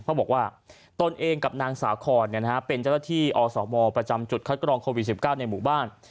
เขาบอกว่าตนเองกับนางสาขรเนี่ยนะคะเป็นเจ้าที่อศมประจำจุดคัตกรรมโควิดสิบเก้าในหมู่บ้าน